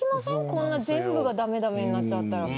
こんな全部が駄目になっちゃったら。